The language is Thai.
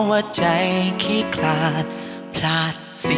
เราอย่าเล่นทำอะไร